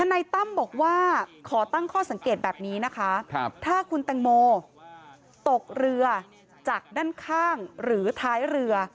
นายตั้มบอกว่าขอตั้งข้อสังเกตแบบนี้นะคะถ้าคุณแตงโมตกเรือจากด้านข้างหรือท้ายเรือ